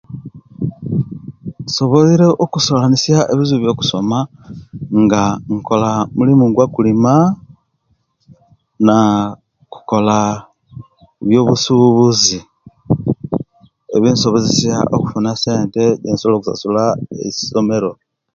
Insobweire okulwanisia ebizibu ebyakusoma nga nkola mulimu gwa'kulima na kukola byobusubuzi ebinsobozesia okufuna esente ejensobola okusasula eisomero